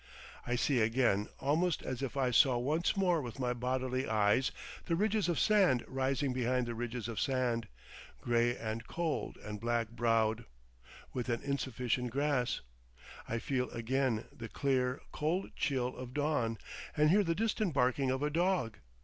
I see again almost as if I saw once more with my bodily eyes the ridges of sand rising behind ridges of sand, grey and cold and black browed, with an insufficient grass. I feel again the clear, cold chill of dawn, and hear the distant barking of a dog.